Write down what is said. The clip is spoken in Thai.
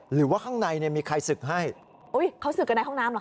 หรือว่าข้างในมีใครสึกให้เขาสึกในห้องน้ำหรือ